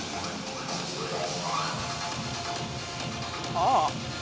ああ！